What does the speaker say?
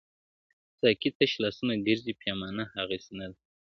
• ساقي تش لاسونه ګرځي پیمانه هغسي نه ده -